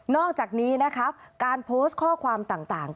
อกจากนี้นะคะการโพสต์ข้อความต่าง